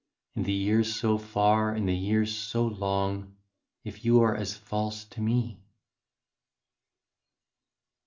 In the years so far, in the years so long, If you are as false to me